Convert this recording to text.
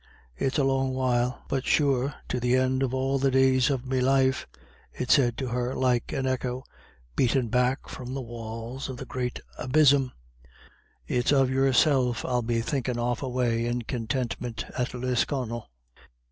It's a long while. But sure, to the end of all the days of me life," it said to her, like an echo beaten back from the walls of the great abysm, "it's of yourself I'll be thinkin' off away in contintmint at Lisconnel."